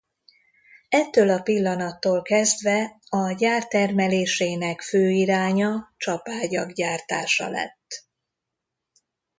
Ettől a pillanattól kezdve a gyár termelésének fő iránya csapágyak gyártása lett.